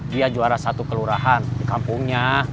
dia juara satu kelurahan di kampungnya